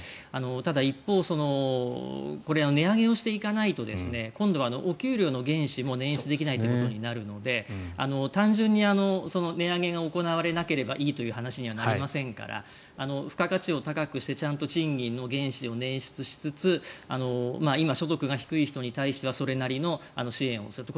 ただ、一方これは値上げをしていかないと今度はお給料の原資も捻出できないということになるので単純に値上げが行わればいいという話にはなりませんから付加価値を高くして、ちゃんと賃金の原資を捻出しつつ今、所得が低い人に対してはそれなりの支援をすると。